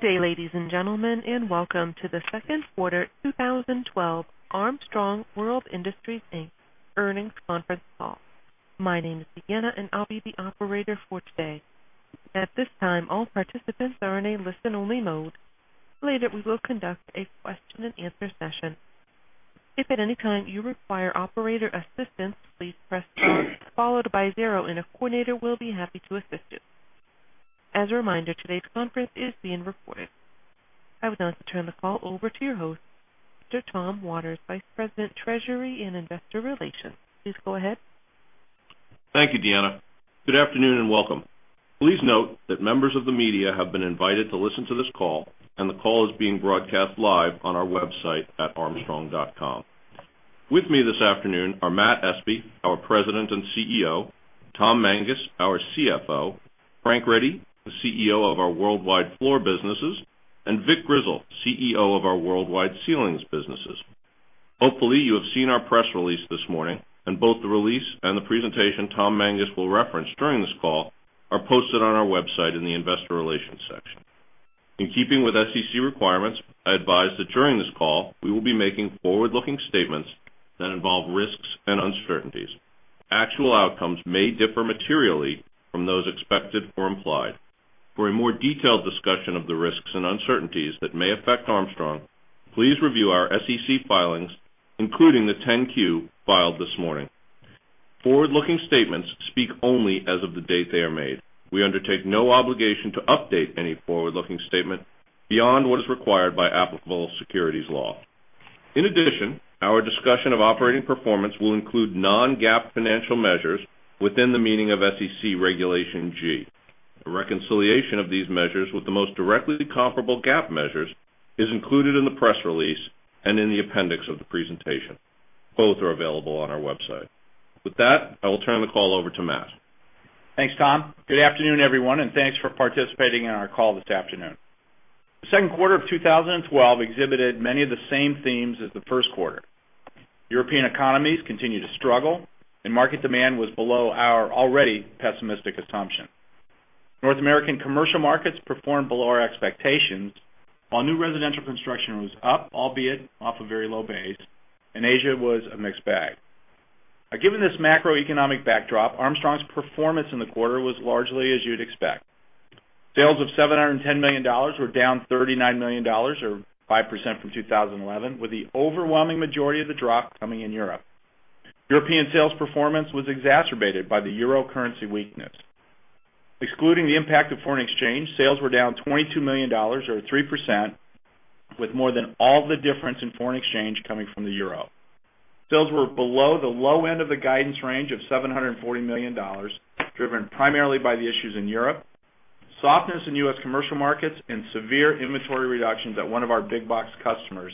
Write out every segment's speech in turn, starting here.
Good day, ladies and gentlemen, and welcome to the second quarter 2012 Armstrong World Industries, Inc. earnings conference call. My name is Deanna, and I'll be the operator for today. At this time, all participants are in a listen-only mode. Later, we will conduct a question and answer session. If at any time you require operator assistance, please press star followed by zero, and a coordinator will be happy to assist you. As a reminder, today's conference is being recorded. I would now like to turn the call over to your host, Mr. Tom Waters, Vice President, Treasury and Investor Relations. Please go ahead. Thank you, Deanna. Good afternoon, and welcome. Please note that members of the media have been invited to listen to this call, and the call is being broadcast live on our website at armstrong.com. With me this afternoon are Matt Espe, our President and CEO, Tom Mangus, our CFO, Frank Ready, the CEO of our worldwide floor businesses, and Vic Grizzle, CEO of our worldwide ceilings businesses. Hopefully, you have seen our press release this morning, and both the release and the presentation Tom Mangus will reference during this call are posted on our website in the investor relations section. In keeping with SEC requirements, I advise that during this call, we will be making forward-looking statements that involve risks and uncertainties. Actual outcomes may differ materially from those expected or implied. For a more detailed discussion of the risks and uncertainties that may affect Armstrong, please review our SEC filings, including the 10-Q filed this morning. Forward-looking statements speak only as of the date they are made. We undertake no obligation to update any forward-looking statement beyond what is required by applicable securities law. In addition, our discussion of operating performance will include non-GAAP financial measures within the meaning of SEC Regulation G. A reconciliation of these measures with the most directly comparable GAAP measures is included in the press release and in the appendix of the presentation. Both are available on our website. With that, I will turn the call over to Matt. Thanks, Tom. Good afternoon, everyone, and thanks for participating in our call this afternoon. The second quarter of 2012 exhibited many of the same themes as the first quarter. European economies continued to struggle, and market demand was below our already pessimistic assumption. North American commercial markets performed below our expectations, while new residential construction was up, albeit off a very low base, and Asia was a mixed bag. Given this macroeconomic backdrop, Armstrong's performance in the quarter was largely as you'd expect. Sales of $710 million were down $39 million or 5% from 2011, with the overwhelming majority of the drop coming in Europe. European sales performance was exacerbated by the euro currency weakness. Excluding the impact of foreign exchange, sales were down $22 million or 3%, with more than all the difference in foreign exchange coming from the euro. Sales were below the low end of the guidance range of $740 million, driven primarily by the issues in Europe, softness in U.S. commercial markets, and severe inventory reductions at one of our big box customers,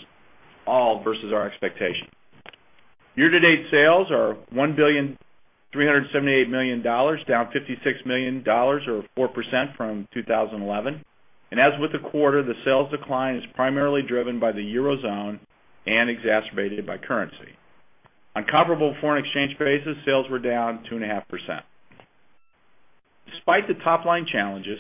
all versus our expectations. Year-to-date sales are $1,378 million, down $56 million or 4% from 2011. As with the quarter, the sales decline is primarily driven by the eurozone and exacerbated by currency. On comparable foreign exchange basis, sales were down 2.5%. Despite the top-line challenges,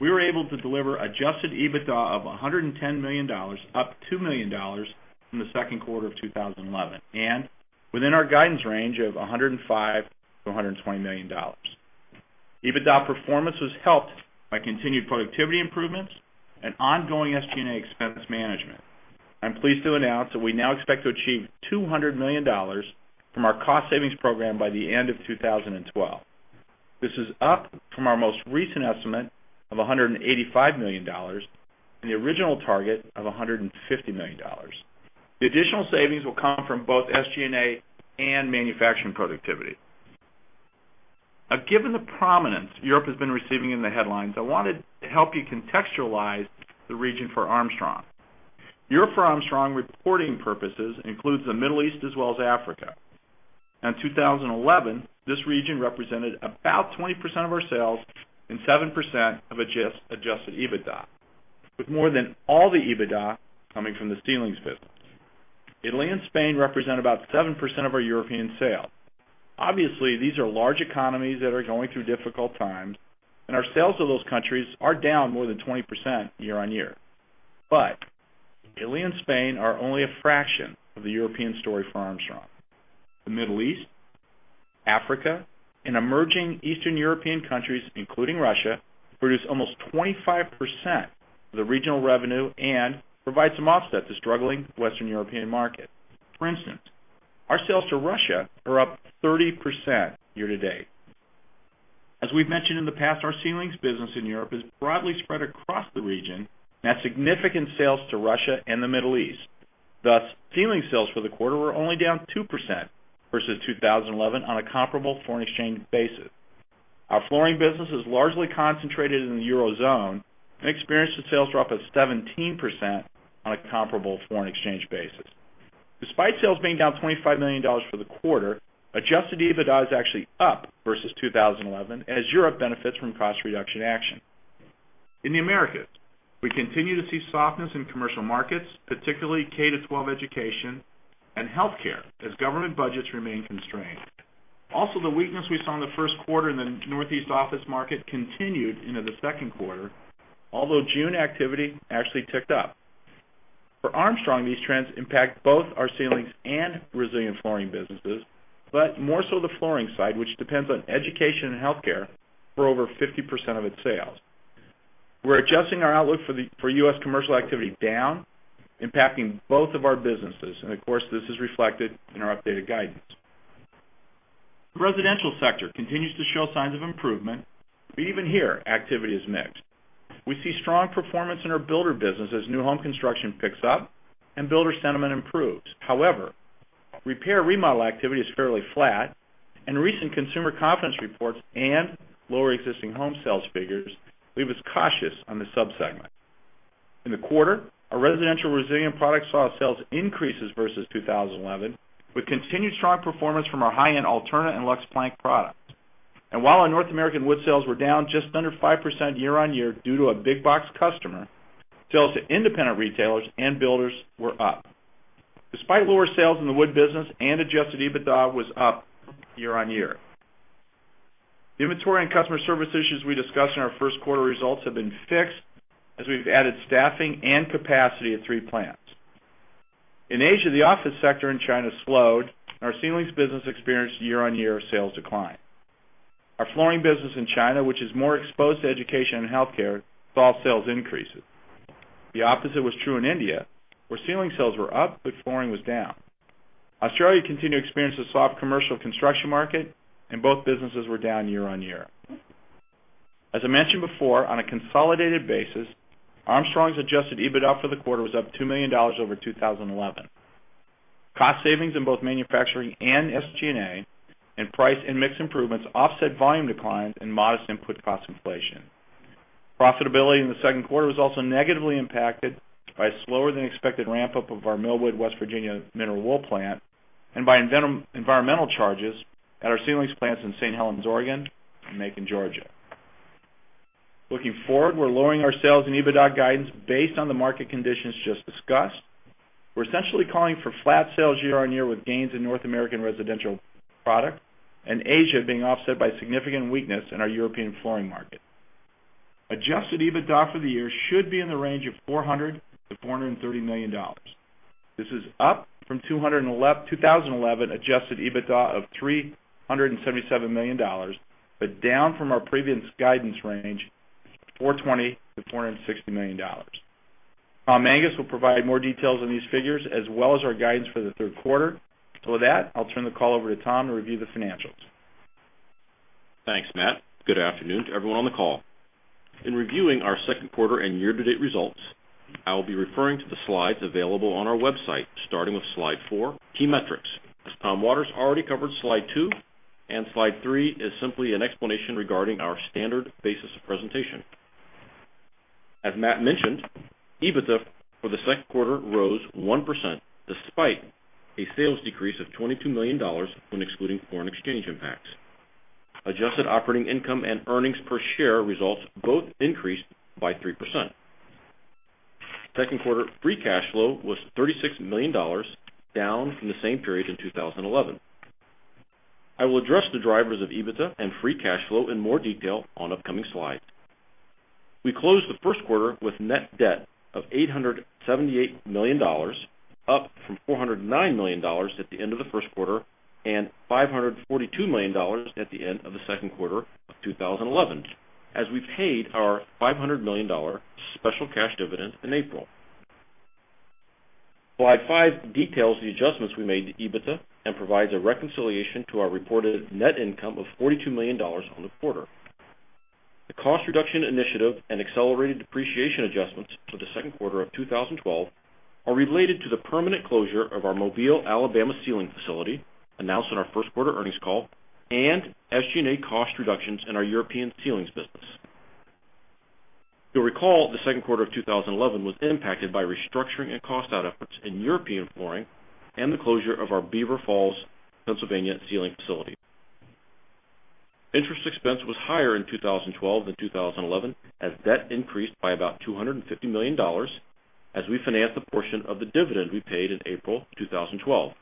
we were able to deliver adjusted EBITDA of $110 million, up $2 million from the second quarter of 2011, and within our guidance range of $105 million-$120 million. EBITDA performance was helped by continued productivity improvements and ongoing SG&A expense management. I'm pleased to announce that we now expect to achieve $200 million from our cost savings program by the end of 2012. This is up from our most recent estimate of $185 million and the original target of $150 million. The additional savings will come from both SG&A and manufacturing productivity. Given the prominence Europe has been receiving in the headlines, I wanted to help you contextualize the region for Armstrong. Europe for Armstrong reporting purposes includes the Middle East as well as Africa. In 2011, this region represented about 20% of our sales and 7% of adjusted EBITDA, with more than all the EBITDA coming from the ceilings business. Italy and Spain represent about 7% of our European sales. Obviously, these are large economies that are going through difficult times, and our sales to those countries are down more than 20% year-on-year. Italy and Spain are only a fraction of the European story for Armstrong. The Middle East, Africa, and emerging Eastern European countries, including Russia, produce almost 25% of the regional revenue and provide some offset to struggling Western European markets. For instance, our sales to Russia are up 30% year-to-date. As we've mentioned in the past, our ceilings business in Europe is broadly spread across the region and has significant sales to Russia and the Middle East. Thus, ceiling sales for the quarter were only down 2% versus 2011 on a comparable foreign exchange basis. Our flooring business is largely concentrated in the eurozone and experienced a sales drop of 17% on a comparable foreign exchange basis. Despite sales being down $25 million for the quarter, adjusted EBITDA is actually up versus 2011 as Europe benefits from cost reduction action. In the Americas, we continue to see softness in commercial markets, particularly K to 12 education and healthcare, as government budgets remain constrained. Also, the weakness we saw in the first quarter in the Northeast office market continued into the second quarter, although June activity actually ticked up. For Armstrong, these trends impact both our ceilings and resilient flooring businesses, but more so the flooring side, which depends on education and healthcare for over 50% of its sales. We're adjusting our outlook for U.S. commercial activity down, impacting both of our businesses. Of course, this is reflected in our updated guidance. The residential sector continues to show signs of improvement, but even here, activity is mixed. We see strong performance in our builder business as new home construction picks up and builder sentiment improves. However, repair/remodel activity is fairly flat, and recent consumer confidence reports and lower existing home sales figures leave us cautious on this sub-segment. In the quarter, our residential resilient products saw sales increases versus 2011, with continued strong performance from our high-end Alterna and Luxe Plank products. While our North American wood sales were down just under 5% year-on-year due to a big box customer, sales to independent retailers and builders were up. Despite lower sales in the wood business, adjusted EBITDA was up year-on-year. The inventory and customer service issues we discussed in our first quarter results have been fixed as we've added staffing and capacity at three plants. In Asia, the office sector in China slowed, and our ceilings business experienced year-on-year sales decline. Our flooring business in China, which is more exposed to education and healthcare, saw sales increases. The opposite was true in India, where ceiling sales were up but flooring was down. Australia continued to experience a soft commercial construction market, both businesses were down year-on-year. As I mentioned before, on a consolidated basis, Armstrong's adjusted EBITDA for the quarter was up $2 million over 2011. Cost savings in both manufacturing and SG&A and price and mix improvements offset volume declines and modest input cost inflation. Profitability in the second quarter was also negatively impacted by a slower-than-expected ramp-up of our Millwood, West Virginia mineral wool plant and by environmental charges at our ceilings plants in St. Helens, Oregon, and Macon, Georgia. Looking forward, we're lowering our sales and EBITDA guidance based on the market conditions just discussed. We're essentially calling for flat sales year-on-year, with gains in North American residential product and Asia being offset by significant weakness in our European flooring market. Adjusted EBITDA for the year should be in the range of $400 million-$430 million. This is up from 2011 adjusted EBITDA of $377 million, but down from our previous guidance range, $420 million-$460 million. Tom Mangus will provide more details on these figures as well as our guidance for the third quarter. With that, I'll turn the call over to Tom to review the financials. Thanks, Matt. Good afternoon to everyone on the call. In reviewing our second quarter and year-to-date results, I will be referring to the slides available on our website, starting with Slide four, Key Metrics. Tom Waters already covered Slide two, and Slide three is simply an explanation regarding our standard basis of presentation. As Matt mentioned, EBITDA for the second quarter rose 1% despite a sales decrease of $22 million when excluding foreign exchange impacts. Adjusted operating income and earnings per share results both increased by 3%. Second quarter free cash flow was $36 million, down from the same period in 2011. I will address the drivers of EBITDA and free cash flow in more detail on upcoming slides. We closed the first quarter with net debt of $878 million, up from $409 million at the end of the first quarter, and $542 million at the end of the second quarter of 2011, as we paid our $500 million special cash dividend in April. Slide 5 details the adjustments we made to EBITDA and provides a reconciliation to our reported net income of $42 million on the quarter. The cost reduction initiative and accelerated depreciation adjustments for the second quarter of 2012 are related to the permanent closure of our Mobile, Alabama ceiling facility, announced on our first quarter earnings call, and SG&A cost reductions in our European ceilings business. You'll recall the second quarter of 2011 was impacted by restructuring and cost-out efforts in European flooring and the closure of our Beaver Falls, Pennsylvania ceiling facility. Interest expense was higher in 2012 than 2011, as debt increased by about $250 million as we financed the portion of the dividend we paid in April 2012.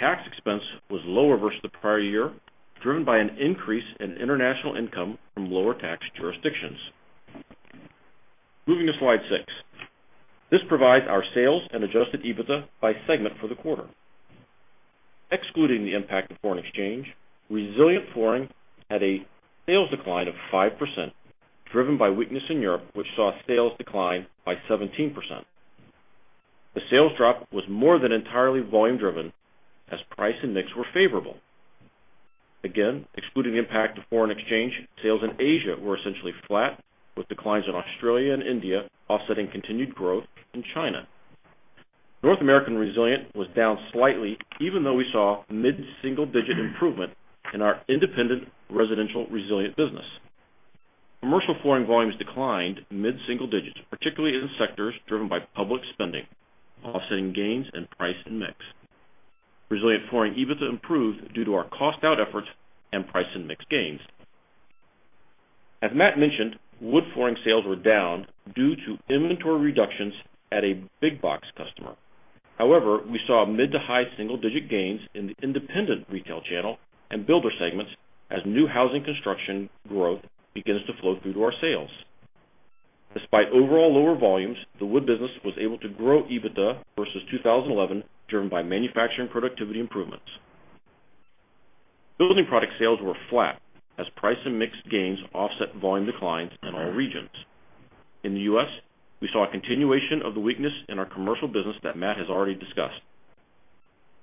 Tax expense was lower versus the prior year, driven by an increase in international income from lower tax jurisdictions. Moving to Slide 6. This provides our sales and adjusted EBITDA by segment for the quarter. Excluding the impact of foreign exchange, resilient flooring had a sales decline of 5%, driven by weakness in Europe, which saw sales decline by 17%. The sales drop was more than entirely volume driven, as price and mix were favorable. Again, excluding the impact of foreign exchange, sales in Asia were essentially flat, with declines in Australia and India offsetting continued growth in China. North American resilient was down slightly, even though we saw mid-single-digit improvement in our independent residential resilient business. Commercial flooring volumes declined mid-single digits, particularly in sectors driven by public spending, offsetting gains in price and mix. Resilient flooring EBITDA improved due to our cost-out efforts and price and mix gains. As Matt mentioned, wood flooring sales were down due to inventory reductions at a big box customer. However, we saw mid to high single-digit gains in the independent retail channel and builder segments as new housing construction growth begins to flow through to our sales. Despite overall lower volumes, the wood business was able to grow EBITDA versus 2011, driven by manufacturing productivity improvements. Building product sales were flat as price and mix gains offset volume declines in all regions. In the U.S., we saw a continuation of the weakness in our commercial business that Matt has already discussed.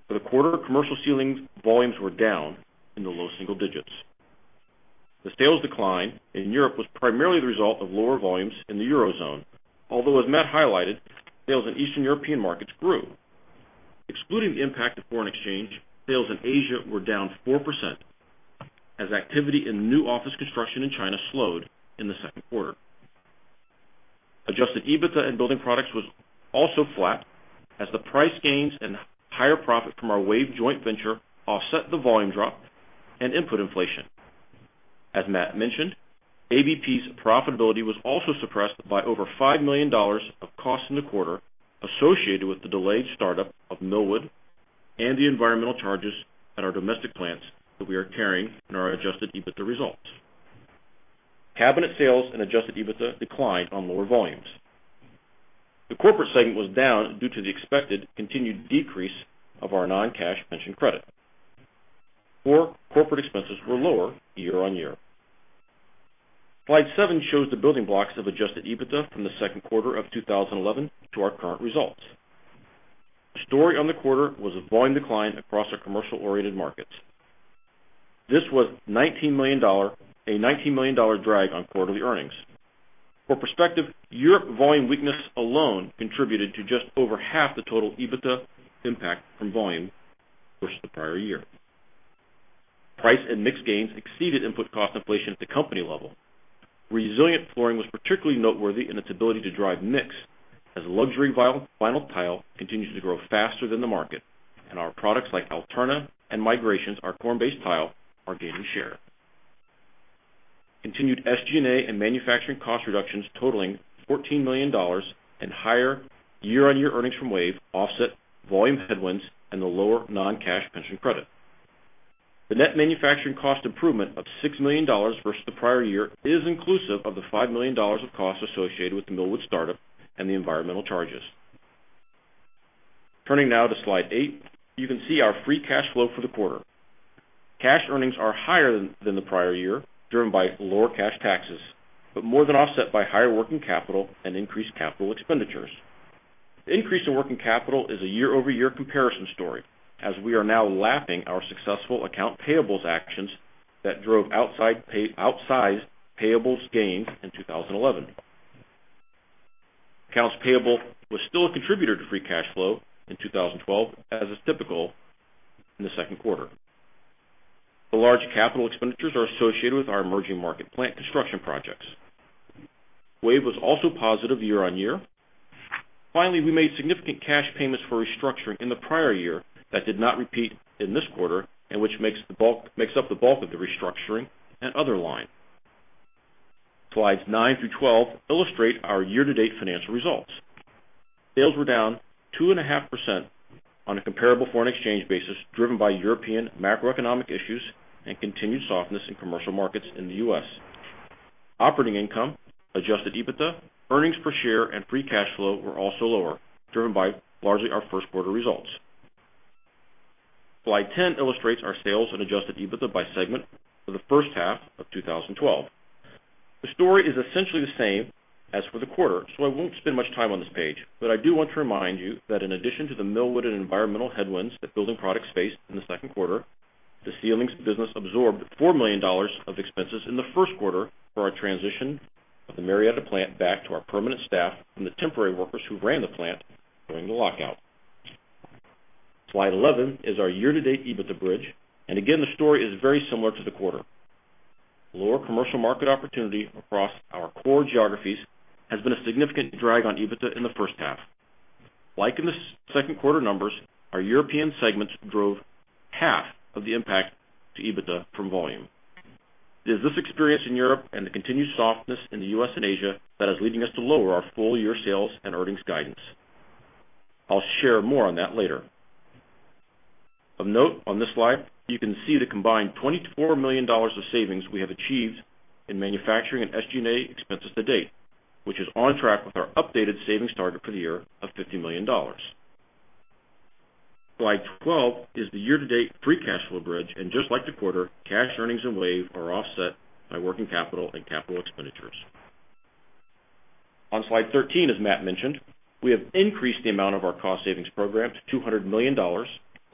For the quarter, commercial ceilings volumes were down in the low single digits. The sales decline in Europe was primarily the result of lower volumes in the Eurozone, although, as Matt highlighted, sales in Eastern European markets grew. Excluding the impact of foreign exchange, sales in Asia were down 4% as activity in new office construction in China slowed in the second quarter. Adjusted EBITDA in building products was also flat as the price gains and higher profit from our WAVE joint venture offset the volume drop and input inflation. As Matt mentioned, ABP's profitability was also suppressed by over $5 million of costs in the quarter associated with the delayed startup of Millwood and the environmental charges at our domestic plants that we are carrying in our adjusted EBITDA results. Cabinet sales and adjusted EBITDA declined on lower volumes. The corporate segment was down due to the expected continued decrease of our non-cash pension credit. Core corporate expenses were lower year on year. Slide seven shows the building blocks of adjusted EBITDA from the second quarter of 2011 to our current results. The story on the quarter was a volume decline across our commercial-oriented markets. This was a $19 million drag on quarterly earnings. For perspective, Europe volume weakness alone contributed to just over half the total EBITDA impact from volume versus the prior year. Price and mix gains exceeded input cost inflation at the company level. Resilient flooring was particularly noteworthy in its ability to drive mix as luxury vinyl tile continues to grow faster than the market, and our products like Alterna and Migrations, our corn-based tile, are gaining share. Continued SG&A and manufacturing cost reductions totaling $14 million and higher year-on-year earnings from WAVE offset volume headwinds and the lower non-cash pension credit. The net manufacturing cost improvement of $6 million versus the prior year is inclusive of the $5 million of costs associated with the Millwood startup and the environmental charges. Turning now to slide eight, you can see our free cash flow for the quarter. Cash earnings are higher than the prior year, driven by lower cash taxes, but more than offset by higher working capital and increased capital expenditures. The increase in working capital is a year-over-year comparison story, as we are now lapping our successful account payables actions that drove outsized payables gains in 2011. Accounts payable was still a contributor to free cash flow in 2012, as is typical in the second quarter. The large capital expenditures are associated with our emerging market plant construction projects. WAVE was also positive year on year. Finally, we made significant cash payments for restructuring in the prior year that did not repeat in this quarter and which makes up the bulk of the restructuring and other line. Slides nine through 12 illustrate our year-to-date financial results. Sales were down 2.5% on a comparable foreign exchange basis, driven by European macroeconomic issues and continued softness in commercial markets in the U.S. Operating income, adjusted EBITDA, earnings per share, and free cash flow were also lower, driven by largely our first quarter results. Slide 10 illustrates our sales and adjusted EBITDA by segment for the first half of 2012. The story is essentially the same as for the quarter, so I won't spend much time on this page. I do want to remind you that in addition to the Millwood and environmental headwinds that building products faced in the second quarter, the ceilings business absorbed $4 million of expenses in the first quarter for our transition of the Marietta plant back to our permanent staff from the temporary workers who ran the plant during the lockout. Slide 11 is our year-to-date EBITDA bridge. Again, the story is very similar to the quarter. Lower commercial market opportunity across our core geographies has been a significant drag on EBITDA in the first half. Like in the second quarter numbers, our European segments drove half of the impact to EBITDA from volume. It is this experience in Europe and the continued softness in the U.S. and Asia that is leading us to lower our full-year sales and earnings guidance. I'll share more on that later. Of note on this slide, you can see the combined $24 million of savings we have achieved in manufacturing and SG&A expenses to date, which is on track with our updated savings target for the year of $50 million. Slide 12 is the year-to-date free cash flow bridge, just like the quarter, cash earnings in WAVE are offset by working capital and capital expenditures. On slide 13, as Matt mentioned, we have increased the amount of our cost savings program to $200 million,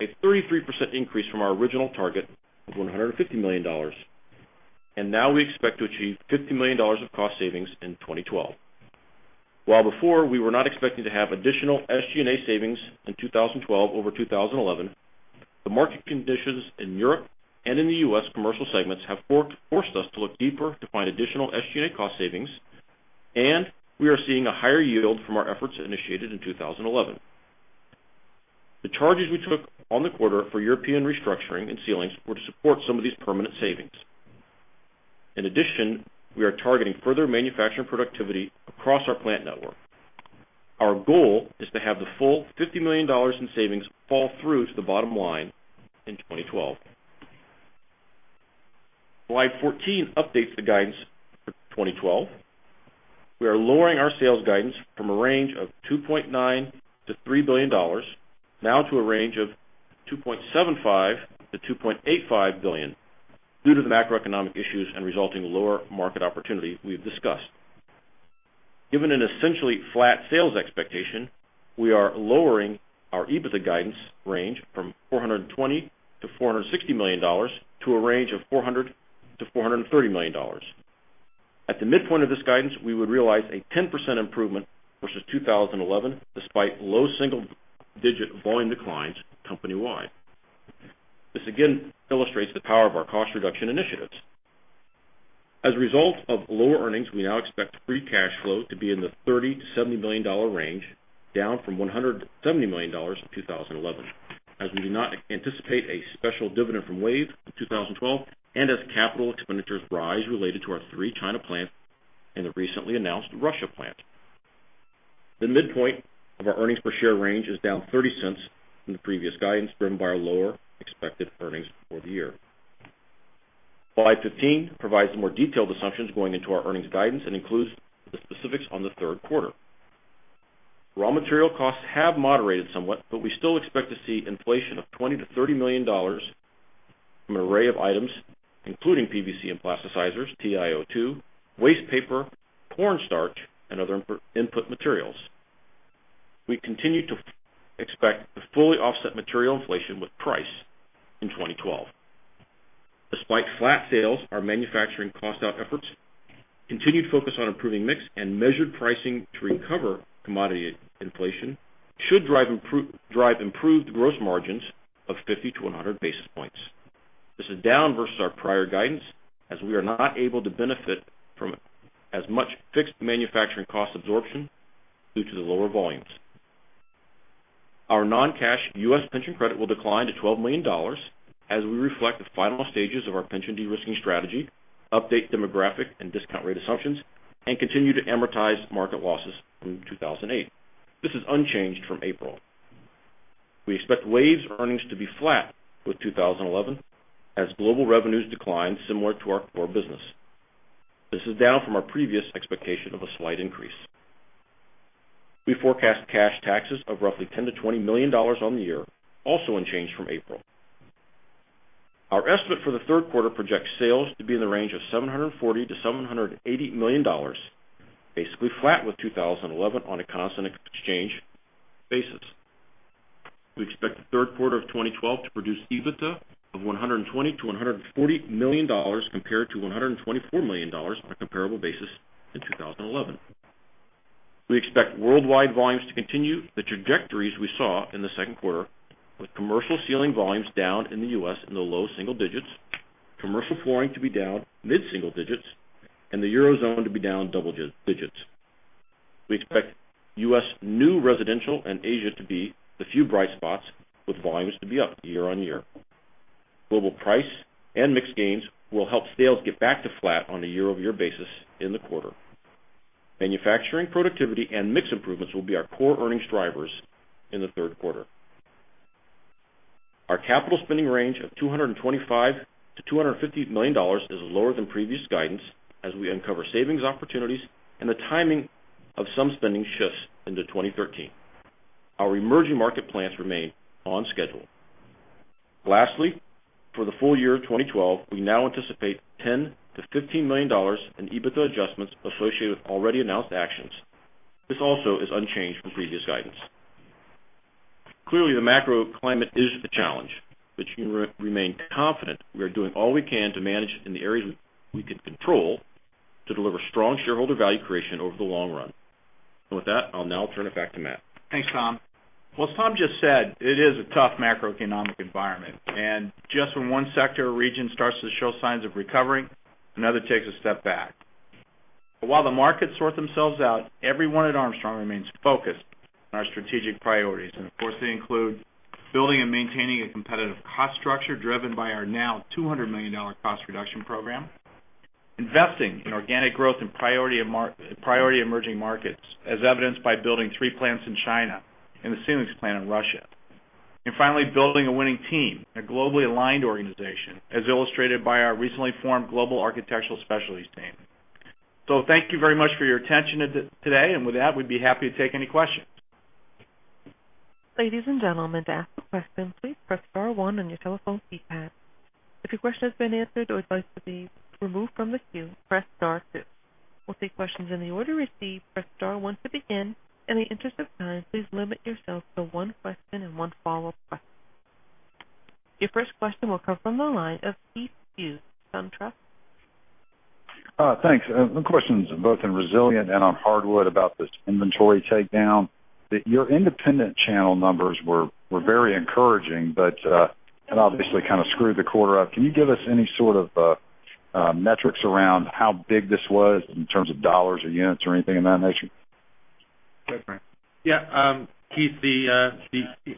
a 33% increase from our original target of $150 million. Now we expect to achieve $50 million of cost savings in 2012. While before we were not expecting to have additional SG&A savings in 2012 over 2011, the market conditions in Europe and in the U.S. commercial segments have forced us to look deeper to find additional SG&A cost savings, we are seeing a higher yield from our efforts initiated in 2011. The charges we took on the quarter for European restructuring and ceilings were to support some of these permanent savings. In addition, we are targeting further manufacturing productivity across our plant network. Our goal is to have the full $50 million in savings fall through to the bottom line in 2012. Slide 14 updates the guidance for 2012. We are lowering our sales guidance from a range of $2.9 billion-$3 billion, now to a range of $2.75 billion-$2.85 billion due to the macroeconomic issues and resulting lower market opportunity we've discussed. Given an essentially flat sales expectation, we are lowering our EBITDA guidance range from $420 million-$460 million to a range of $400 million-$430 million. At the midpoint of this guidance, we would realize a 10% improvement versus 2011, despite low single-digit volume declines company-wide. This again illustrates the power of our cost reduction initiatives. As a result of lower earnings, we now expect free cash flow to be in the $30 million-$70 million range, down from $170 million in 2011, as we do not anticipate a special dividend from WAVE in 2012 and as capital expenditures rise related to our three China plants and the recently announced Russia plant. The midpoint of our earnings per share range is down $0.30 from the previous guidance, driven by our lower expected earnings for the year. Slide 15 provides more detailed assumptions going into our earnings guidance and includes the specifics on the third quarter. Raw material costs have moderated somewhat, but we still expect to see inflation of $20 million-$30 million from an array of items, including PVC and plasticizers, TiO2, wastepaper, corn starch, and other input materials. We continue to expect to fully offset material inflation with price in 2012. Despite flat sales, our manufacturing cost-out efforts, continued focus on improving mix, and measured pricing to recover commodity inflation should drive improved gross margins of 50-100 basis points. This is down versus our prior guidance, as we are not able to benefit from as much fixed manufacturing cost absorption due to the lower volumes. Our non-cash U.S. pension credit will decline to $12 million as we reflect the final stages of our pension de-risking strategy, update demographic and discount rate assumptions, and continue to amortize market losses from 2008. This is unchanged from April. We expect Wave's earnings to be flat with 2011 as global revenues decline similar to our core business. This is down from our previous expectation of a slight increase. We forecast cash taxes of roughly $10 million to $20 million on the year, also unchanged from April. Our estimate for the third quarter projects sales to be in the range of $740 million to $780 million, basically flat with 2011 on a constant exchange basis. We expect the third quarter of 2012 to produce EBITDA of $120 million to $140 million, compared to $124 million on a comparable basis in 2011. We expect worldwide volumes to continue the trajectories we saw in the second quarter, with commercial ceiling volumes down in the U.S. in the low single digits, commercial flooring to be down mid-single digits, and the eurozone to be down double digits. We expect U.S. new residential and Asia to be the few bright spots, with volumes to be up year-over-year. Global price and mix gains will help sales get back to flat on a year-over-year basis in the quarter. Manufacturing productivity and mix improvements will be our core earnings drivers in the third quarter. Our capital spending range of $225 million to $250 million is lower than previous guidance as we uncover savings opportunities and the timing of some spending shifts into 2013. Our emerging market plans remain on schedule. Lastly, for the full year of 2012, we now anticipate $10 million to $15 million in EBITDA adjustments associated with already announced actions. This is unchanged from previous guidance. The macro climate is a challenge, but you can remain confident we are doing all we can to manage in the areas we can control to deliver strong shareholder value creation over the long run. With that, I'll now turn it back to Matt. Thanks, Tom. As Tom just said, it is a tough macroeconomic environment. Just when one sector or region starts to show signs of recovering, another takes a step back. While the markets sort themselves out, everyone at Armstrong remains focused on our strategic priorities. Of course, they include building and maintaining a competitive cost structure driven by our now $200 million cost reduction program. Investing in organic growth in priority emerging markets, as evidenced by building three plants in China and the ceilings plant in Russia. Finally, building a winning team, a globally aligned organization, as illustrated by our recently formed global Architectural Specialties team. Thank you very much for your attention today. With that, we'd be happy to take any questions. Ladies and gentlemen, to ask a question, please press star one on your telephone keypad. If your question has been answered or would like to be removed from the queue, press star two. We'll take questions in the order received. Press star one to begin. In the interest of time, please limit yourself to one question and one follow-up question. Your first question will come from the line of Keith Hughes from Truist. Thanks. The question's both on Resilient and on Hardwood about this inventory takedown, that your independent channel numbers were very encouraging, but had obviously screwed the quarter up. Can you give us any sort of metrics around how big this was in terms of dollars or units or anything of that nature? Go ahead, Frank. Keith, the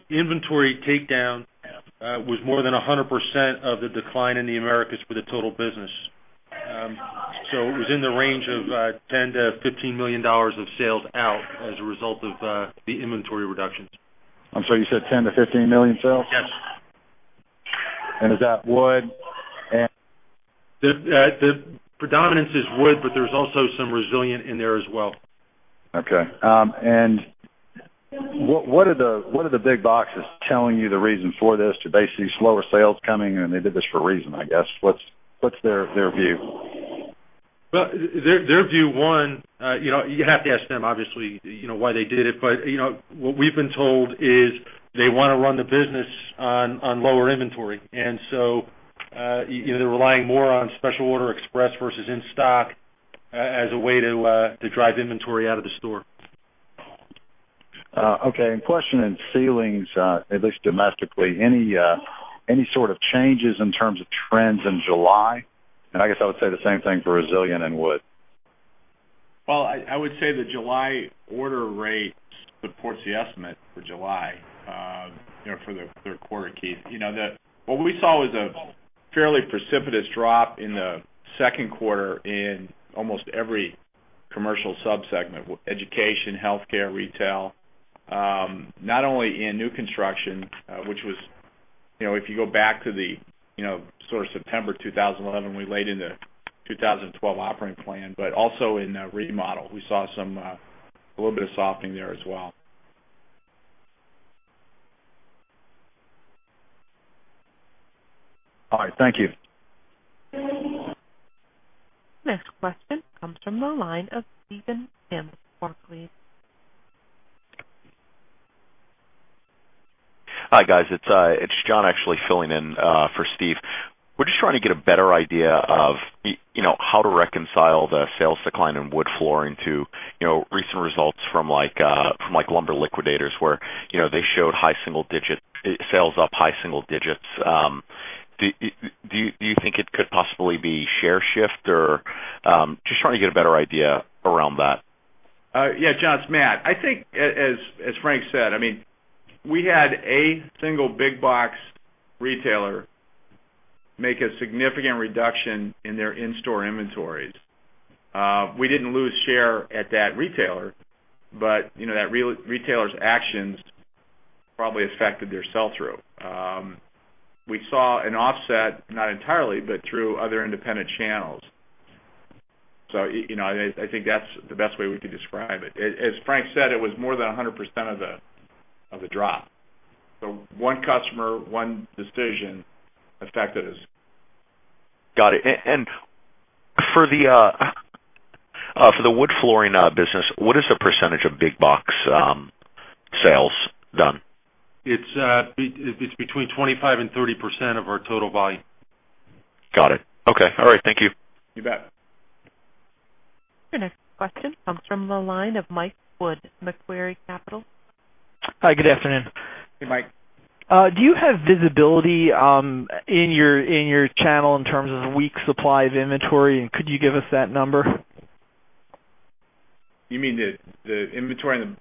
inventory takedown was more than 100% of the decline in the Americas for the total business. It was in the range of $10 million-$15 million of sales out as a result of the inventory reductions. I'm sorry, you said $10 million-$15 million sales? Yes. Is that wood and- The predominance is wood, but there's also some resilient in there as well. Okay. What are the big boxes telling you the reason for this? To basically slower sales coming, and they did this for a reason, I guess. What's their view? Well, their view, one, you have to ask them, obviously, why they did it. What we've been told is they want to run the business on lower inventory. They're relying more on special order express versus in-stock as a way to drive inventory out of the store. Okay. A question in ceilings, at least domestically, any sort of changes in terms of trends in July? I guess I would say the same thing for resilient and wood. Well, I would say the July order rate supports the estimate for July, for the third quarter, Keith. What we saw was a fairly precipitous drop in the second quarter in almost every commercial sub-segment: education, healthcare, retail. Not only in new construction, which was, if you go back to the September 2011, we laid in the 2012 operating plan, but also in remodel, we saw a little bit of softening there as well. All right. Thank you. Next question comes from the line of Stephen Kim, Barclays. Hi, guys. It's John actually filling in for Steve. We're just trying to get a better idea of how to reconcile the sales decline in wood flooring to recent results from Lumber Liquidators, where they showed sales up high single digits. Do you think it could possibly be share shift? Just trying to get a better idea around that. Yeah, John, it's Matt. I think, as Frank said, we had a single big box retailer make a significant reduction in their in-store inventories. We didn't lose share at that retailer, but that retailer's actions probably affected their sell-through. We saw an offset, not entirely, but through other independent channels. I think that's the best way we could describe it. As Frank said, it was more than 100% of the drop. One customer, one decision affected us. Got it. For the wood flooring business, what is the % of big box sales done? It's between 25% and 30% of our total volume. Got it. Okay. All right. Thank you. You bet. Your next question comes from the line of Michael Wood, Macquarie Capital. Hi, good afternoon. Hey, Mike. Do you have visibility in your channel in terms of weeks supply of inventory? Could you give us that number? You mean the inventory and the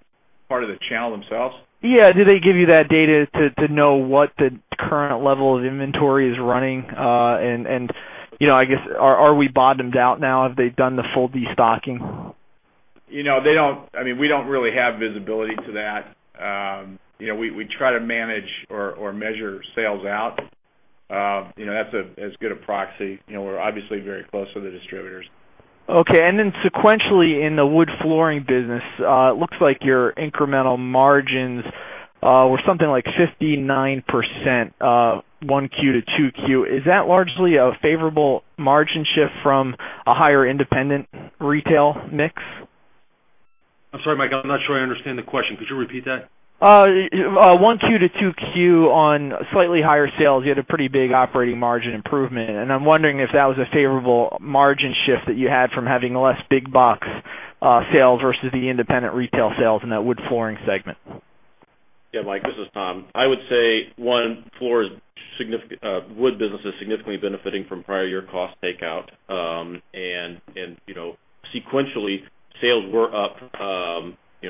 part of the channel themselves? Yeah. Do they give you that data to know what the current level of inventory is running? I guess, are we bottomed out now, have they done the full destocking? We don't really have visibility to that. We try to manage or measure sales out. That's as good a proxy. We're obviously very close with the distributors. Okay. Sequentially, in the wood flooring business, looks like your incremental margins were something like 59%, one Q to two Q. Is that largely a favorable margin shift from a higher independent retail mix? I'm sorry, Mike, I'm not sure I understand the question. Could you repeat that? 1Q to 2Q on slightly higher sales, you had a pretty big operating margin improvement. I'm wondering if that was a favorable margin shift that you had from having less big box sales versus the independent retail sales in that wood flooring segment. Yeah, Mike, this is Tom. I would say, one, wood business is significantly benefiting from prior year cost takeout. Sequentially, sales were up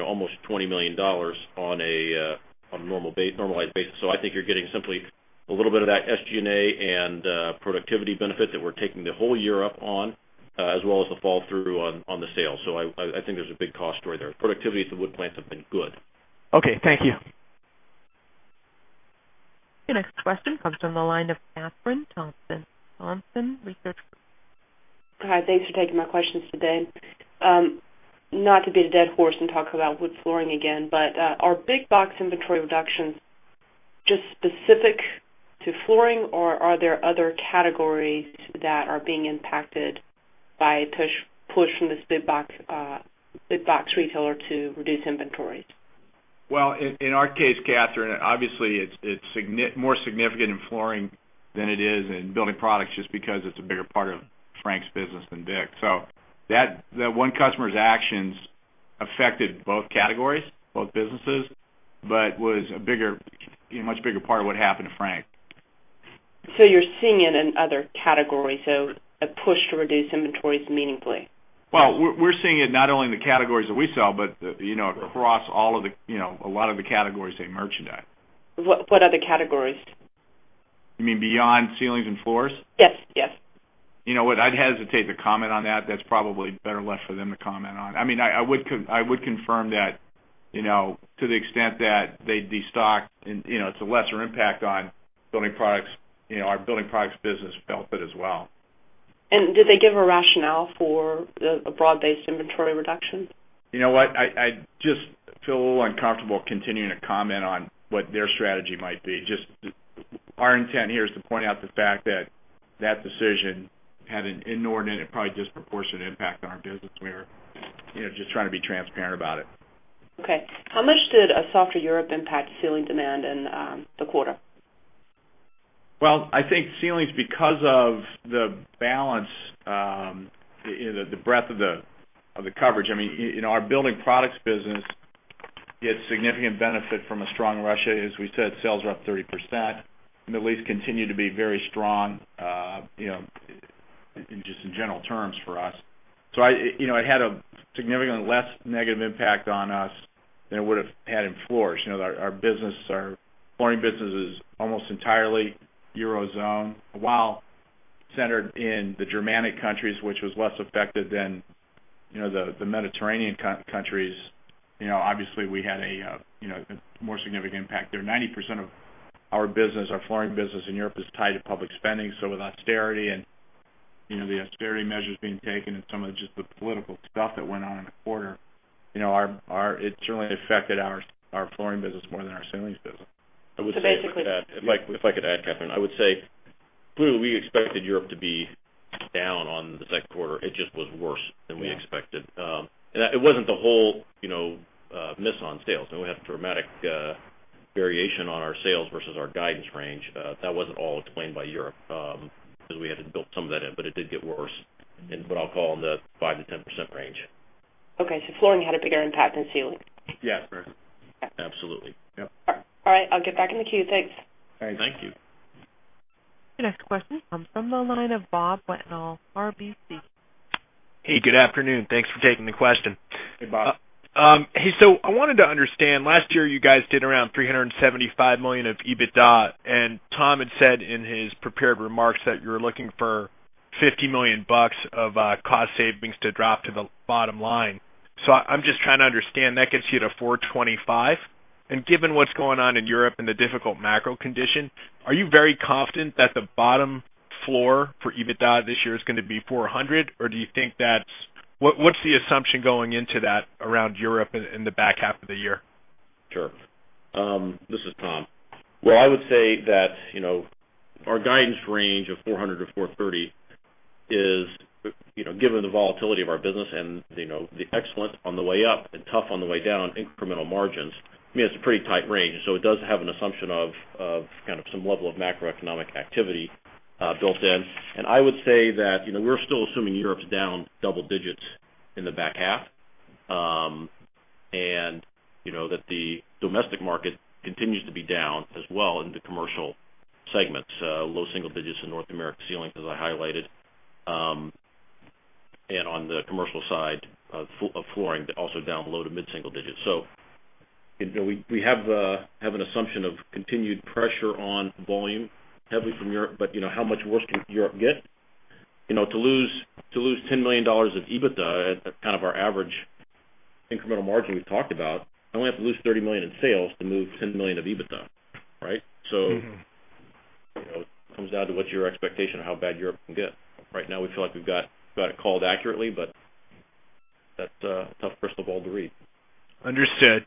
almost $20 million on a normalized basis. I think you're getting simply a little bit of that SG&A and productivity benefit that we're taking the whole year up on, as well as the fall through on the sales. I think there's a big cost story there. Productivity at the wood plants have been good. Okay. Thank you. Your next question comes from the line of Kathryn Thompson, Thompson Research Group. Hi, thanks for taking my questions today. Not to beat a dead horse and talk about wood flooring again, but are big box inventory reductions just specific to flooring, or are there other categories that are being impacted by push from this big box retailer to reduce inventories? Well, in our case, Kathryn, obviously, it's more significant in flooring than it is in building products just because it's a bigger part of Frank's business than Vic's. That one customer's actions Affected both categories, both businesses, but was a much bigger part of what happened to Frank. You're seeing it in other categories, so a push to reduce inventories meaningfully? We're seeing it not only in the categories that we sell, but across a lot of the categories they merchandise. What other categories? You mean beyond ceilings and floors? Yes. You know what? I'd hesitate to comment on that. That's probably better left for them to comment on. I would confirm that, to the extent that they'd be stocked, it's a lesser impact on our building products business felt it as well. Did they give a rationale for a broad-based inventory reduction? You know what? I just feel a little uncomfortable continuing to comment on what their strategy might be. Our intent here is to point out the fact that that decision had an inordinate and probably disproportionate impact on our business. We were just trying to be transparent about it. Okay. How much did a softer Europe impact ceiling demand in the quarter? Well, I think ceilings, because of the balance, the breadth of the coverage. Our building products business gets significant benefit from a strong Russia. As we said, sales are up 30%, and the Middle East continued to be very strong, just in general terms for us. It had a significantly less negative impact on us than it would have had in floors. Our flooring business is almost entirely Eurozone. While centered in the Germanic countries, which was less affected than the Mediterranean countries. Obviously, we had a more significant impact there. 90% of our flooring business in Europe is tied to public spending. With austerity and the austerity measures being taken and some of just the political stuff that went on in the quarter, it certainly affected our flooring business more than our ceilings business. If I could add, Kathryn, I would say, clearly, we expected Europe to be down on the second quarter. It just was worse than we expected. It wasn't the whole miss on sales. We had a dramatic variation on our sales versus our guidance range. That wasn't all explained by Europe, because we had to build some of that in, but it did get worse in what I'll call in the 5%-10% range. Okay. Flooring had a bigger impact than ceiling. Yes. Absolutely. Yep. All right, I'll get back in the queue. Thanks. Thanks. Thank you. Your next question comes from the line of Robert Wetenhall, RBC. Hey, good afternoon. Thanks for taking the question. Hey, Bob. I wanted to understand, last year you guys did around $375 million of EBITDA, and Tom had said in his prepared remarks that you were looking for $50 million of cost savings to drop to the bottom line. I'm just trying to understand, that gets you to $425 million, and given what's going on in Europe and the difficult macro condition, are you very confident that the bottom floor for EBITDA this year is going to be $400 million? What's the assumption going into that around Europe in the back half of the year? Sure. This is Tom. I would say that our guidance range of $400 million-$430 million is, given the volatility of our business and the excellent on the way up and tough on the way down incremental margins, it's a pretty tight range. It does have an assumption of some level of macroeconomic activity built in. I would say that we're still assuming Europe's down double digits in the back half, and that the domestic market continues to be down as well in the commercial segments. Low single digits in North America ceilings, as I highlighted, and on the commercial side of flooring, also down below to mid-single digits. We have an assumption of continued pressure on volume, heavily from Europe, but how much worse can Europe get? To lose $10 million of EBITDA at kind of our average incremental margin we've talked about, I only have to lose $30 million in sales to move $10 million of EBITDA, right? It comes down to what your expectation of how bad Europe can get. Right now, we feel like we've got it called accurately, but that's a tough crystal ball to read. Understood.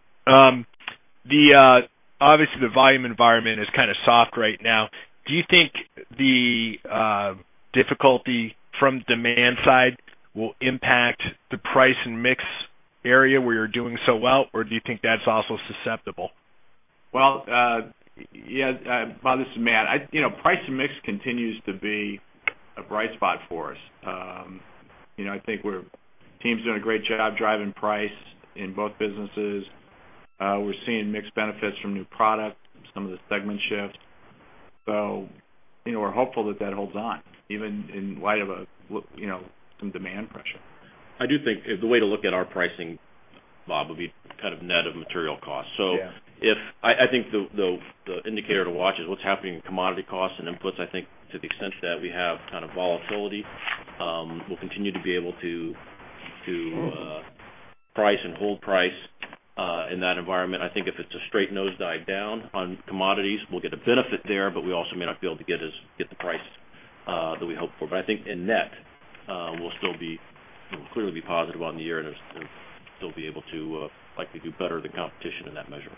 Obviously, the volume environment is kind of soft right now. Do you think the difficulty from demand side will impact the price and mix area where you're doing so well, or do you think that's also susceptible? Well, Bob, this is Matt. Price and mix continues to be a bright spot for us. I think the team's doing a great job driving price in both businesses. We're seeing mixed benefits from new product, some of the segment shifts. We're hopeful that that holds on, even in light of some demand pressure. I do think the way to look at our pricing, Bob, would be kind of net of material cost. Yeah. I think the indicator to watch is what's happening in commodity costs and inputs. I think to the extent that we have kind of volatility, we'll continue to be able to price and hold price in that environment. I think if it's a straight nose dive down on commodities, we'll get a benefit there, but we also may not be able to get the price that we hope for. I think in net, we'll still clearly be positive on the year and still be able to likely do better than competition in that measure.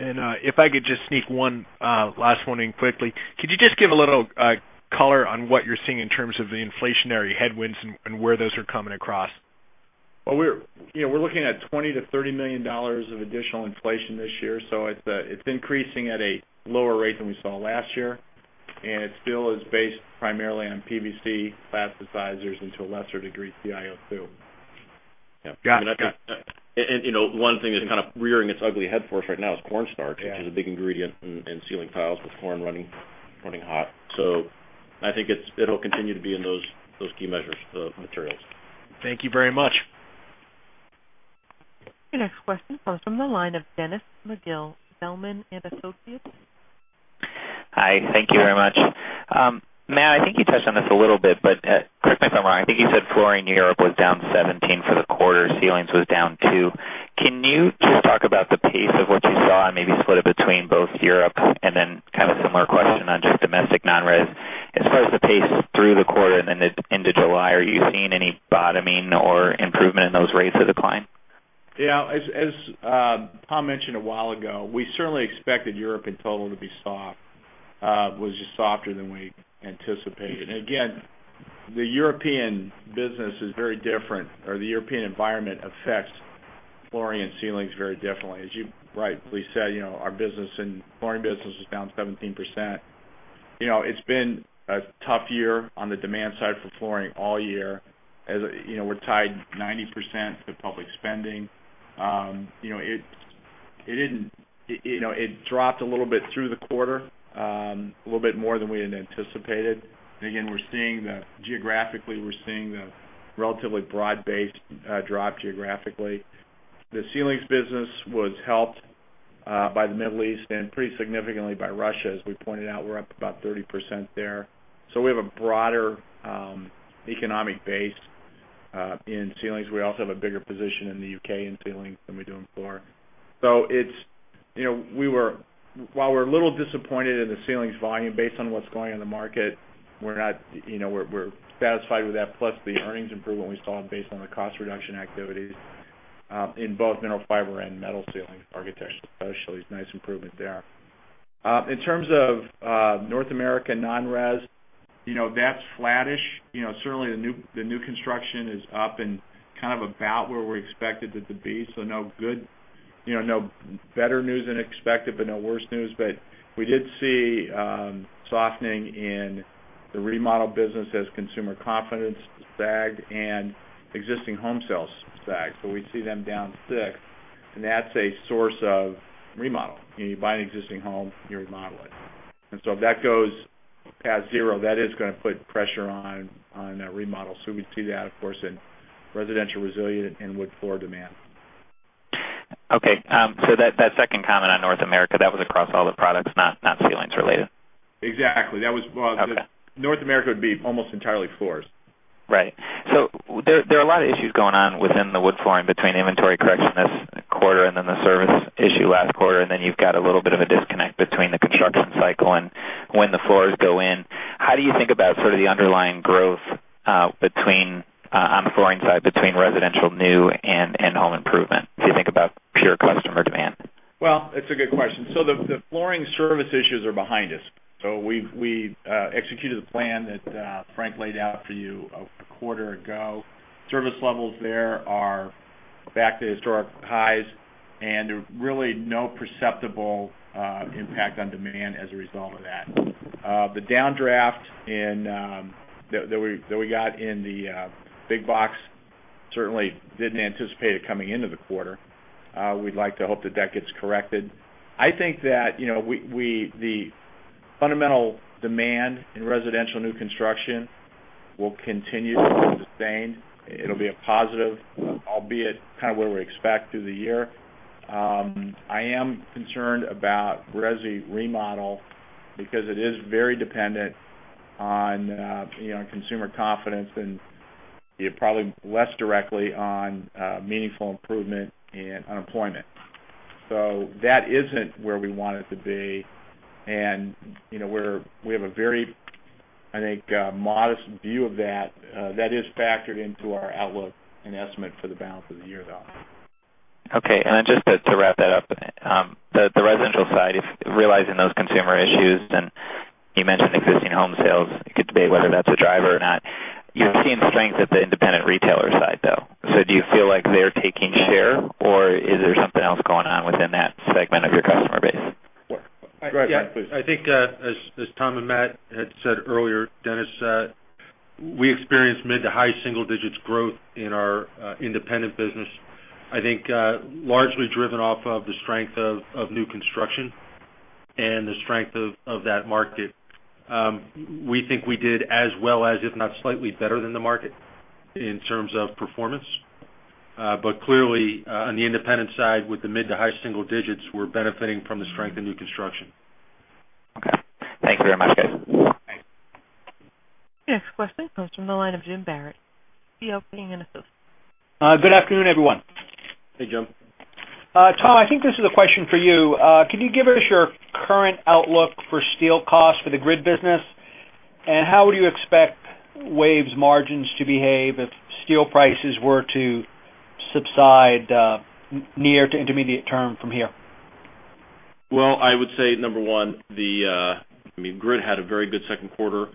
If I could just sneak one last one in quickly. Could you just give a little color on what you're seeing in terms of the inflationary headwinds and where those are coming across? We're looking at $20 million-$30 million of additional inflation this year, so it's increasing at a lower rate than we saw last year. It still is based primarily on PVC plasticizers and to a lesser degree, TiO2. Yeah. One thing that's kind of rearing its ugly head for us right now is corn starch. Yeah which is a big ingredient in ceiling tiles with corn running hot. I think it'll continue to be in those key measures, the materials. Thank you very much. Your next question comes from the line of Dennis McGill, Zelman & Associates. Hi. Thank you very much. Matt, I think you touched on this a little bit, correct me if I'm wrong, I think you said flooring in Europe was down 17 for the quarter, ceilings was down two. Can you just talk about the pace of what you saw and maybe split it between both Europe and then kind of a similar question on just domestic non-res, as far as the pace through the quarter and then into July. Are you seeing any bottoming or improvement in those rates of decline? As Tom mentioned a while ago, we certainly expected Europe in total to be soft. It was just softer than we anticipated. The European business is very different or the European environment affects flooring and ceilings very differently. You rightfully said, our flooring business was down 17%. It's been a tough year on the demand side for flooring all year, as we're tied 90% to public spending. It dropped a little bit through the quarter, a little bit more than we had anticipated. Geographically, we're seeing the relatively broad-based drop geographically. The ceilings business was helped by the Middle East and pretty significantly by Russia. We pointed out, we're up about 30% there. We have a broader economic base in ceilings. We also have a bigger position in the U.K. in ceilings than we do in floor. While we're a little disappointed in the ceilings volume based on what's going on in the market, we're satisfied with that, plus the earnings improvement we saw based on the cost reduction activities in both mineral fiber and metal ceilings, Architectural Specialties, it's nice improvement there. In terms of North America non-res, that's flattish. Certainly, the new construction is up and kind of about where we expected it to be. No better news than expected, but no worse news. We did see softening in the remodel business as consumer confidence sagged and existing home sales sagged. We see them down six, and that's a source of remodel. You buy an existing home, you remodel it. If that goes past zero, that is going to put pressure on remodel. We see that, of course, in residential resilient and wood floor demand. Okay. That second comment on North America, that was across all the products, not ceilings related? Exactly. Okay. North America would be almost entirely floors. Right. There are a lot of issues going on within the wood flooring between inventory correction this quarter and then the service issue last quarter, and then you've got a little bit of a disconnect between the construction cycle and when the floors go in. How do you think about sort of the underlying growth on the flooring side between residential new and home improvement? Do you think about pure customer demand? Well, it's a good question. The flooring service issues are behind us. We executed the plan that Frank laid out for you a quarter ago. Service levels there are back to historic highs, and there's really no perceptible impact on demand as a result of that. The downdraft that we got in the big box, certainly didn't anticipate it coming into the quarter. We'd like to hope that that gets corrected. I think that the fundamental demand in residential new construction will continue to be sustained. It'll be a positive, albeit kind of what we expect through the year. I am concerned about resi remodel because it is very dependent on consumer confidence and probably less directly on meaningful improvement in unemployment. That isn't where we want it to be, and we have a very, I think, modest view of that. That is factored into our outlook and estimate for the balance of the year, though. Okay. Just to wrap that up, the residential side, realizing those consumer issues, and you mentioned existing home sales, you could debate whether that's a driver or not. You're seeing strength at the independent retailer side, though. Do you feel like they're taking share or is there something else going on within that segment of your customer base? Go ahead, Frank, please. I think as Tom and Matt had said earlier, Dennis, we experienced mid to high single digits growth in our independent business, I think, largely driven off of the strength of new construction and the strength of that market. We think we did as well as, if not slightly better than the market in terms of performance. Clearly, on the independent side, with the mid to high single digits, we're benefiting from the strength of new construction. Okay. Thank you very much, guys. Thanks. Your next question comes from the line of James Barrett, C.L. King & Associates. Good afternoon, everyone. Hey, Jim. Tom, I think this is a question for you. Can you give us your current outlook for steel costs for the grid business? How would you expect WAVE's margins to behave if steel prices were to subside near to intermediate term from here? Well, I would say, number one, grid had a very good second quarter.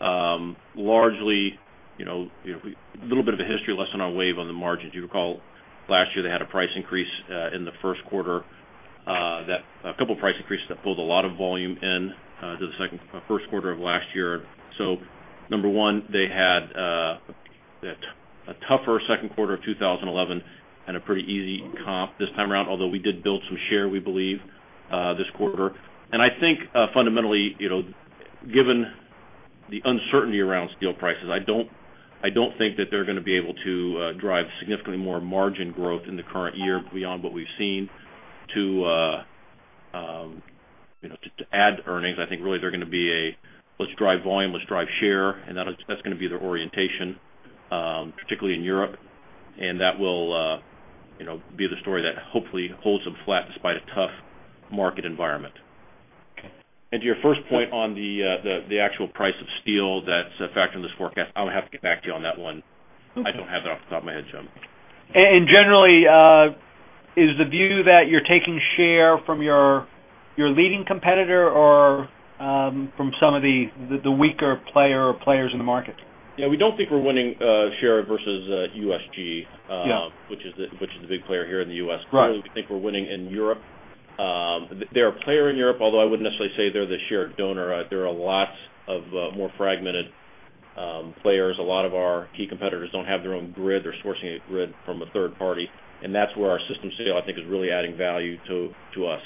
Largely, a little bit of a history lesson on WAVE on the margins. You recall last year, they had a couple of price increases that pulled a lot of volume in to the first quarter of last year. Number one, they had a tougher second quarter of 2011 and a pretty easy comp this time around, although we did build some share, we believe, this quarter. I think fundamentally, given the uncertainty around steel prices, I don't think that they're going to be able to drive significantly more margin growth in the current year beyond what we've seen to add earnings. I think really they're going to be a, "Let's drive volume, let's drive share," and that's going to be their orientation, particularly in Europe. That will be the story that hopefully holds them flat despite a tough market environment. To your first point on the actual price of steel that's a factor in this forecast, I'll have to get back to you on that one. I don't have that off the top of my head, James. Generally, is the view that you're taking share from your leading competitor or from some of the weaker player or players in the market? Yeah, we don't think we're winning share versus USG. Yeah Which is the big player here in the U.S. Right. We think we're winning in Europe. They're a player in Europe, although I wouldn't necessarily say they're the share donor. There are lots of more fragmented players. A lot of our key competitors don't have their own grid. They're sourcing a grid from a third party, that's where our system sale, I think, is really adding value to us.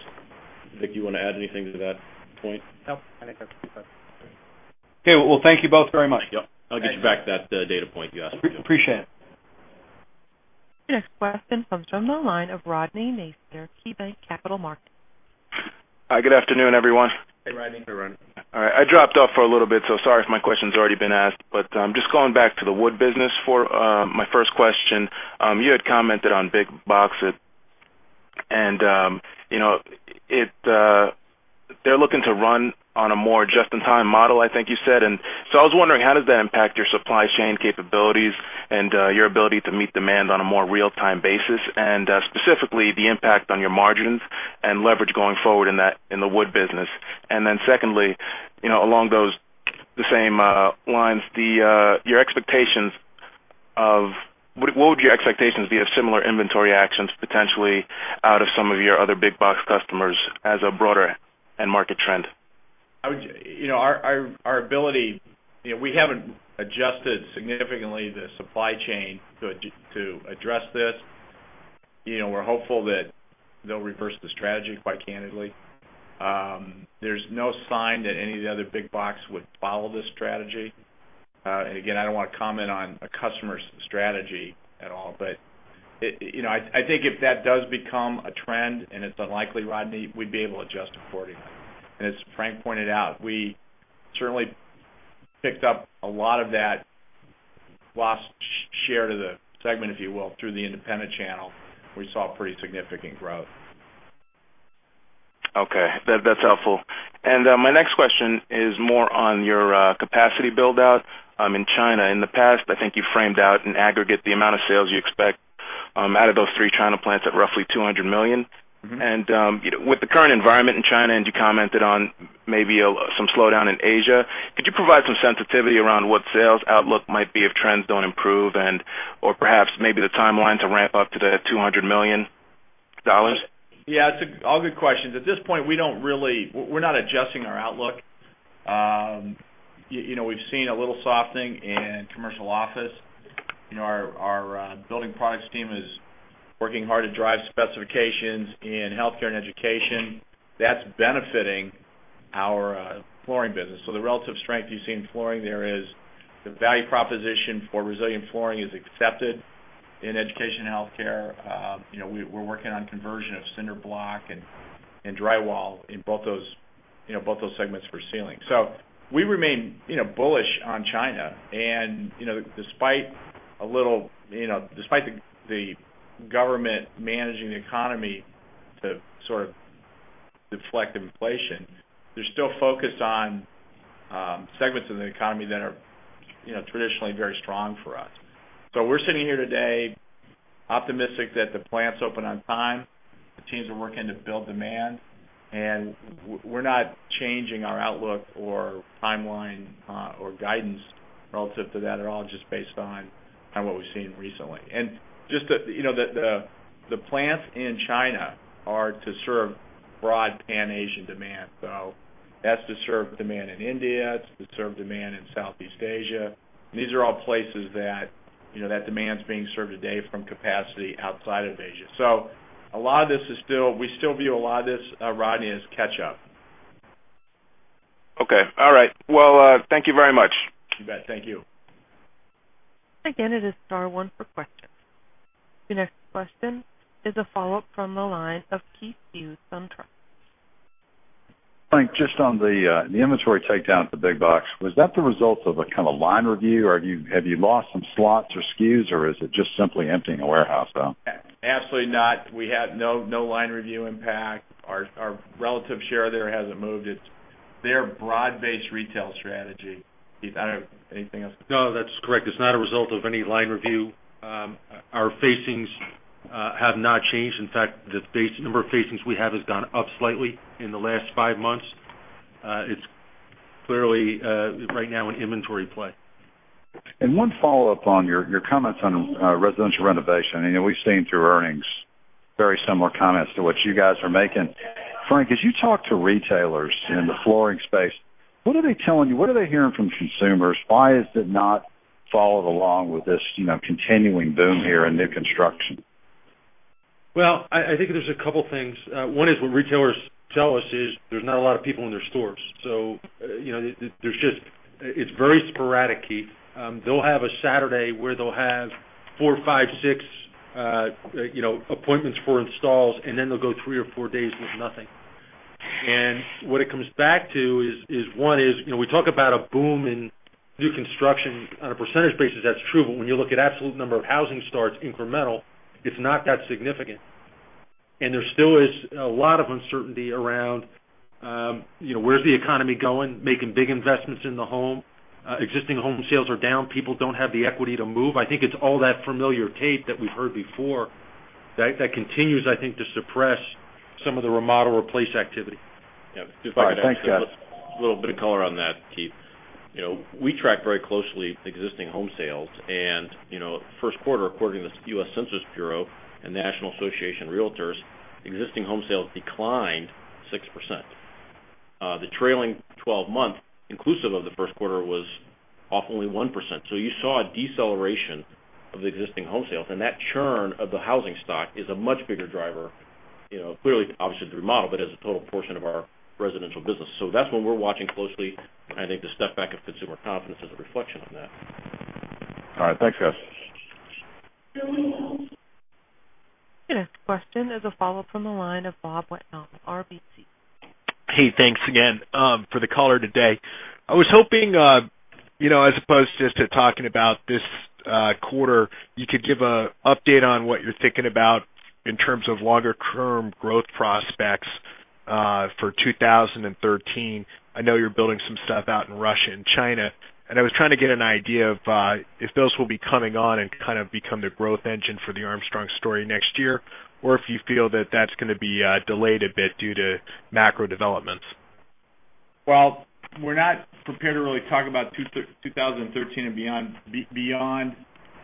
Vic, do you want to add anything to that point? No, I think that's it. Okay. Well, thank you both very much. Yep. I'll get you back that data point you asked for. Appreciate it. Your next question comes from the line of Kenneth Zener, KeyBanc Capital Markets. Hi, good afternoon, everyone. Hey, Kenneth. Hey, Kenneth. All right, I dropped off for a little bit, so sorry if my question's already been asked, but just going back to the wood business for my first question. You had commented on big box, and they're looking to run on a more just-in-time model, I think you said. I was wondering, how does that impact your supply chain capabilities and your ability to meet demand on a more real-time basis? Specifically, the impact on your margins and leverage going forward in the wood business. Secondly, along the same lines, what would your expectations be of similar inventory actions, potentially out of some of your other big box customers as a broader end market trend? Our ability, we haven't adjusted significantly the supply chain to address this. We're hopeful that they'll reverse the strategy, quite candidly. There's no sign that any of the other big box would follow this strategy. Again, I don't want to comment on a customer's strategy at all. I think if that does become a trend, and it's unlikely, Kenneth, we'd be able to adjust accordingly. As Frank pointed out, we certainly picked up a lot of that lost share to the segment, if you will, through the independent channel. We saw pretty significant growth. Okay. That's helpful. My next question is more on your capacity build-out in China. In the past, I think you framed out in aggregate the amount of sales you expect out of those 3 China plants at roughly $200 million. With the current environment in China, and you commented on maybe some slowdown in Asia, could you provide some sensitivity around what sales outlook might be if trends don't improve and/or perhaps maybe the timeline to ramp up to the $200 million? Yeah, all good questions. At this point, we're not adjusting our outlook. We've seen a little softening in commercial office. Our building products team is working hard to drive specifications in healthcare and education. That's benefiting our flooring business. The relative strength you see in flooring there is the value proposition for resilient flooring is accepted in education and healthcare. We're working on conversion of cinder block and drywall in both those segments for ceiling. We remain bullish on China. Despite the government managing the economy to sort of deflect inflation, they're still focused on segments of the economy that are traditionally very strong for us. We're sitting here today optimistic that the plants open on time. The teams are working to build demand, and we're not changing our outlook or timeline or guidance relative to that at all, just based on what we've seen recently. Just the plants in China are to serve broad Pan-Asian demand, that's to serve demand in India, it's to serve demand in Southeast Asia. These are all places that demand's being served today from capacity outside of Asia. We still view a lot of this, Rodney, as catch-up. Okay. All right. Thank you very much. You bet. Thank you. Again, it is star one for questions. Your next question is a follow-up from the line of Keith Hughes, Truist. Frank, just on the inventory takedown at the big box, was that the result of a kind of line review, or have you lost some slots or SKUs, or is it just simply emptying a warehouse out? Absolutely not. We had no line review impact. Our relative share there hasn't moved. It's their broad-based retail strategy. Keith, anything else? No, that's correct. It's not a result of any line review. Our facings have not changed. In fact, the number of facings we have has gone up slightly in the last five months. It's clearly, right now, an inventory play. One follow-up on your comments on residential renovation. We've seen through earnings very similar comments to what you guys are making. Frank, as you talk to retailers in the flooring space, what are they telling you? What are they hearing from consumers? Why has it not followed along with this continuing boom here in new construction? Well, I think there's a couple things. One is what retailers tell us is there's not a lot of people in their stores. It's very sporadic, Keith. They'll have a Saturday where they'll have four, five, six appointments for installs, and then they'll go three or four days with nothing. What it comes back to is, one is, we talk about a boom in new construction. On a percentage basis, that's true, but when you look at absolute number of housing starts incremental, it's not that significant. There still is a lot of uncertainty around where's the economy going, making big investments in the home. Existing home sales are down. People don't have the equity to move. I think it's all that familiar tape that we've heard before that continues, I think, to suppress some of the remodel or replace activity. Yeah. All right. Thanks, guys. A little bit of color on that, Keith. We track very closely existing home sales and first quarter, according to the U.S. Census Bureau and National Association of Realtors, existing home sales declined 6%. The trailing 12 month, inclusive of the first quarter, was off only 1%. You saw a deceleration of existing home sales, and that churn of the housing stock is a much bigger driver, clearly, obviously, to remodel, but as a total portion of our residential business. That's one we're watching closely. I think the step back of consumer confidence is a reflection on that. All right. Thanks, guys. Your next question is a follow-up from the line of Bob Wetenhall with RBC. Hey, thanks again for the call today. I was hoping, as opposed just to talking about this quarter, you could give an update on what you're thinking about in terms of longer-term growth prospects for 2013. I know you're building some stuff out in Russia and China, and I was trying to get an idea of if those will be coming on and become the growth engine for the Armstrong story next year, or if you feel that that's going to be delayed a bit due to macro developments. Well, we're not prepared to really talk about 2013 and beyond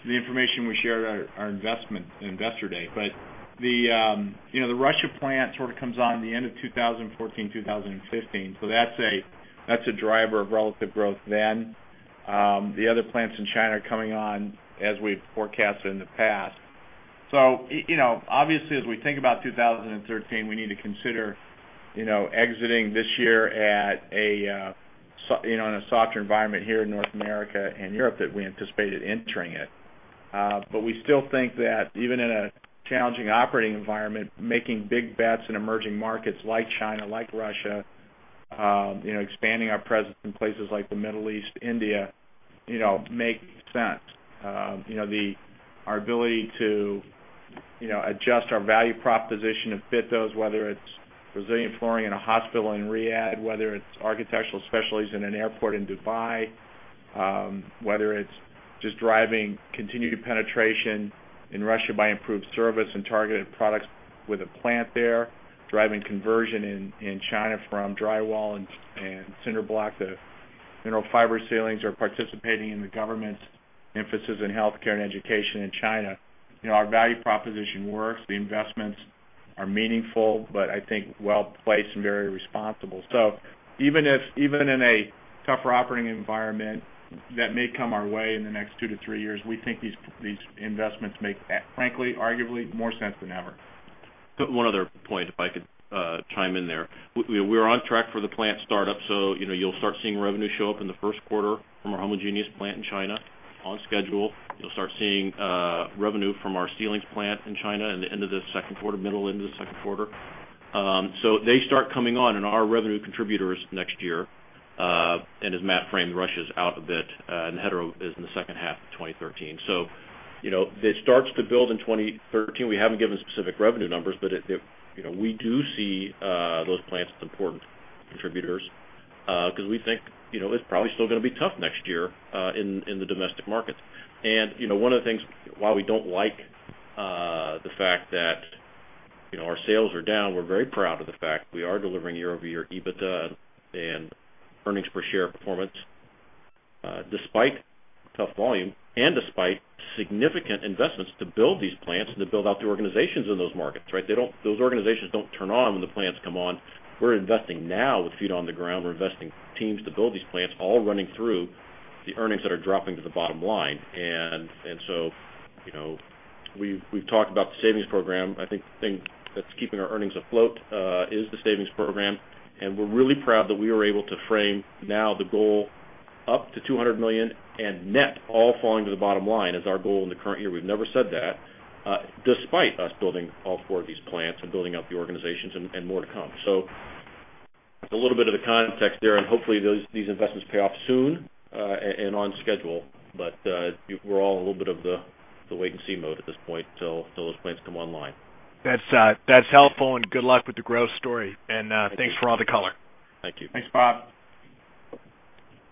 the information we shared at our Investor Day. The Russia plant sort of comes on the end of 2014, 2015. That's a driver of relative growth then. The other plants in China are coming on as we've forecasted in the past. Obviously, as we think about 2013, we need to consider exiting this year in a softer environment here in North America and Europe that we anticipated entering it. We still think that even in a challenging operating environment, making big bets in emerging markets like China, like Russia, expanding our presence in places like the Middle East, India, makes sense. Our ability to adjust our value proposition to fit those, whether it's resilient flooring in a hospital in Riyadh, whether it's Architectural Specialties in an airport in Dubai, whether it's just driving continued penetration in Russia by improved service and targeted products with a plant there, driving conversion in China from drywall and cinder block to mineral fiber ceilings, or participating in the government's emphasis in healthcare and education in China. Our value proposition works. The investments are meaningful, but I think well-placed and very responsible. Even in a tougher operating environment that may come our way in the next two to three years, we think these investments make, frankly, arguably more sense than ever. One other point, if I could chime in there. We're on track for the plant startup, so you'll start seeing revenue show up in the first quarter from our homogeneous plant in China on schedule. You'll start seeing revenue from our ceilings plant in China in the end of the second quarter, middle into the second quarter. They start coming on and are revenue contributors next year. As Matt framed, Russia's out a bit, and heterogeneous is in the second half of 2013. It starts to build in 2013. We haven't given specific revenue numbers, but we do see those plants as important contributors, because we think it's probably still going to be tough next year in the domestic markets. One of the things, while we don't like the fact that our sales are down, we're very proud of the fact we are delivering year-over-year EBITDA and earnings per share performance despite tough volume and despite significant investments to build these plants and to build out the organizations in those markets, right? Those organizations don't turn on when the plants come on. We're investing now with feet on the ground. We're investing teams to build these plants, all running through the earnings that are dropping to the bottom line. We've talked about the savings program. I think the thing that's keeping our earnings afloat is the savings program, and we're really proud that we were able to frame now the goal up to $200 million and net all falling to the bottom line as our goal in the current year. We've never said that, despite us building all four of these plants and building out the organizations and more to come. That's a little bit of the context there, and hopefully these investments pay off soon and on schedule. We're all in a little bit of the wait-and-see mode at this point till those plants come online. That's helpful and good luck with the growth story, and thanks for all the color. Thank you. Thanks, Bob.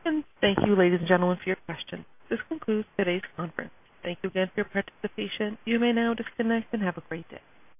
Thank you, ladies and gentlemen, for your questions. This concludes today's conference. Thank you again for your participation. You may now disconnect, and have a great day.